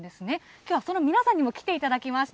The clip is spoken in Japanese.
きょうはその皆さんにも来ていただきました。